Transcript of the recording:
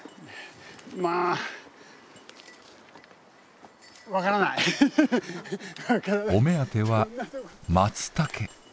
まあお目当てはまつたけ。